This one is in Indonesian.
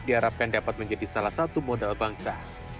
diharapkan dapat menjadi salah satu modal bangsa